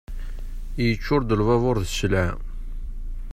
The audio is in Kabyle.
Iččur-d lbabur d sselɛa.